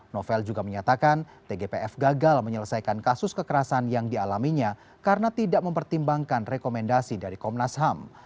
novel juga menyatakan tgpf gagal menyelesaikan kasus kekerasan yang dialaminya karena tidak mempertimbangkan rekomendasi dari komnas ham